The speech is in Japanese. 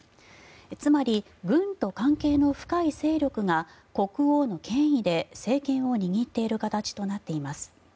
つまり、軍と関係の深い勢力が国王の権威で政権を握っている形となっています。